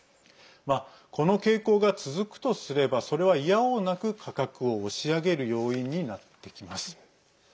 この傾向が続くとすればそれは、いやおうなく価格を押し上げる要因になってきます。